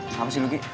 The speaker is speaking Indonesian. gapapa sih lu gi